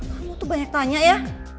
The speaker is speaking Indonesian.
kamu tuh banyak tanya ya